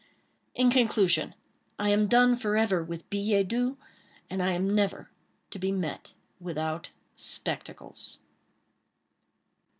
In conclusion: I am done forever with billets doux, and am never to be met without SPECTACLES.